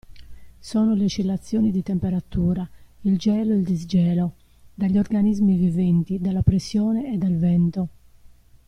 Sono le oscillazioni di temperatura, il gelo e il disgelo, dagli organismi viventi, dalla pressione e dal vento.